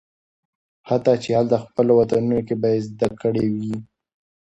حتی چې هالته خپل وطنونو کې به یې زده کړې وي